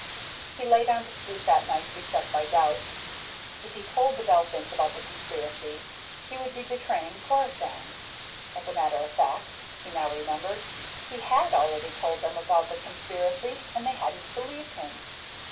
He lay down to sleep that night beset by doubts. If he told the Belphins about the conspiracy, he would be betraying Corisande. As a matter of fact, he now remembered, he had already told them about the conspiracy and they hadn't believed him.